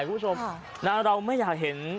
คุณผู้ชมเราไม่อยากเห็น